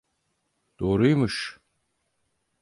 Doğruymuş.